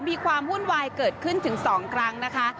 มีความวุ่นวายเกิดขึ้นถึง๒ครั้งนะคะ